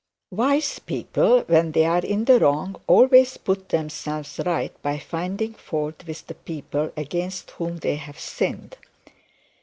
Wise people, when they are in the wrong, always put themselves right by finding fault with the people against whom they have sinned.